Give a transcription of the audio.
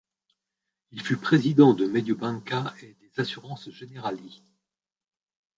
Il fut président de Mediobanca et des assurances Generali.